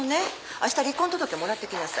あした離婚届もらってきなさい。